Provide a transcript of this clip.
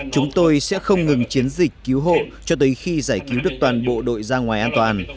chúng tôi sẽ không ngừng chiến dịch cứu hộ cho tới khi giải cứu được toàn bộ đội ra ngoài an toàn